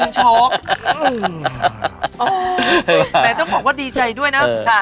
ต้องบอกว่าดีใจด้วยนะ